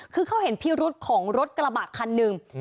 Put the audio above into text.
คือเขาเห็นพิรุษของรถกระบะคันหนึ่ง